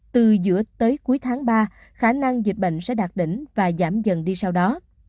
từ giữa tới cuối tháng ba khả năng dịch bệnh sẽ đạt đỉnh và giảm dần đi sau đó